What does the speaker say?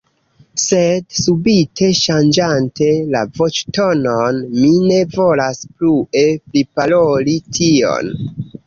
Sed subite ŝanĝante la voĉtonon mi ne volas plue priparoli tion.